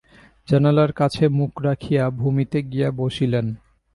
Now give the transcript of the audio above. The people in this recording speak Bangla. জানালার কাছে মুখ রাখিয়া ভূমিতে গিয়া বসিলেন।